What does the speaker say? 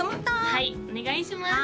はいお願いします